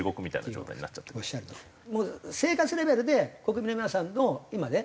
もう生活レベルで国民の皆さんの今ね